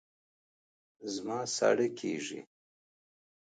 زما ساړه کېږي